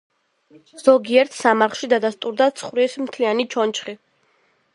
ზოგიერთ სამარხში დადასტურდა ცხვრის მთლიანი ჩონჩხი.